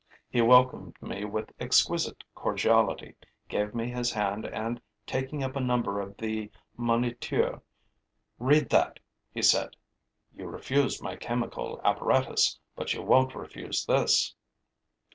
He welcomed me with exquisite cordiality, gave me his hand and, taking up a number of the Moniteur: 'Read that,' he said. 'You refused my chemical apparatus; but you won't refuse this.